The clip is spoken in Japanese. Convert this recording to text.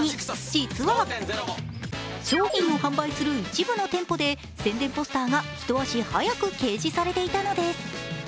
実は商品を販売する一部の店舗で宣伝ポスターが一足早く掲示されていたのです。